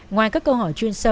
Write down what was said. ngoài các câu hỏi chuyên sách